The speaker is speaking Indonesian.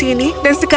aku tidak percaya